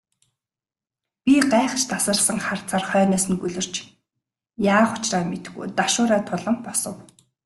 Би гайхаш тасарсан харцаар хойноос нь гөлөрч, яах учраа мэдэхгүй ташуураа тулан босов.